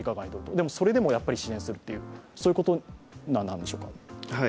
でも、それでも支援するということなんでしょうか。